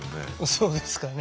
そうですかね。